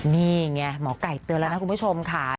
นี่ไงหมอไก่เตือนแล้วนะคุณผู้ชมค่ะ